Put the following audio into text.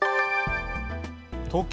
東京